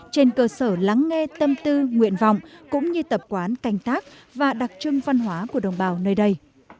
trên cơ sở lắng nghe tâm tư nguyện vọng cũng như tập quán canh tác và đặc trưng văn hóa của đồng bào nơi đây